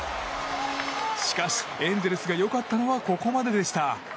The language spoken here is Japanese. しかし、エンゼルスが良かったのはここまででした。